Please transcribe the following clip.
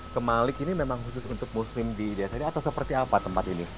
kemalik ini memang khusus untuk muslim di desa ini atau seperti apa tempat ini